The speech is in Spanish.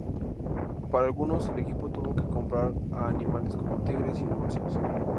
Para algunos el equipo tuvo que comprar a animales como tigres y morsas.